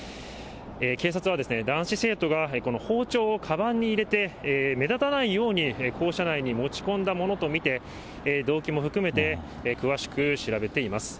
警察は男子生徒がこの包丁をかばんに入れて、目立たないように、校舎内に持ち込んだものと見て、動機も含めて詳しく調べています。